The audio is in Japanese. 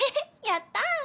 やったー！